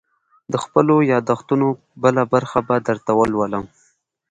_د خپلو ياد دښتونو بله برخه به درته ولولم.